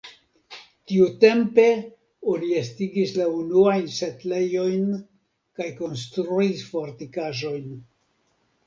Tiutempe oni estigis la unuajn setlejojn kaj konstruis fortikaĵojn.